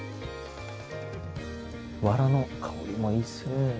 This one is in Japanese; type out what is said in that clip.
わらの香りもいいっすね。